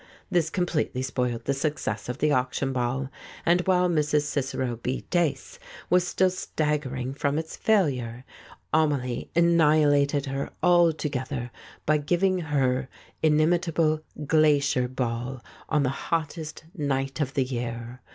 This completely spoiled the success of the auction ball, and while Mrs. Cicero B. Dace was still staggering from its failure, Amelie annihilated her altogether by giving her inimitable glacier ball on the hottest night of the year.